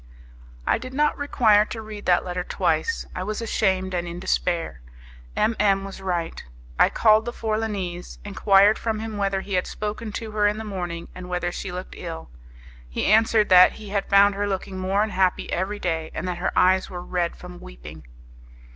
I did not require to read that letter twice; I was ashamed and in despair. M M was right. I called the Forlanese, enquired from him whether he had spoken to her in the morning, and whether she looked ill. He answered that he had found her looking more unhappy every day, and that her eyes were red from weeping.